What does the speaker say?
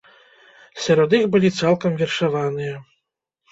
Сярод іх былі цалкам вершаваныя.